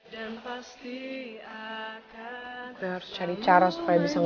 dan pasti akan